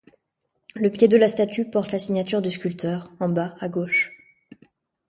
Le pied de la statue porte la signature du sculpteur, en bas à gauche.